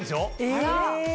あら。